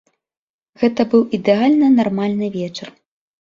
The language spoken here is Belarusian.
Гэта быў ідэальна нармальны вечар.